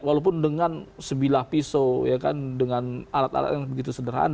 walaupun dengan sebilah pisau dengan alat alat yang begitu sederhana gitu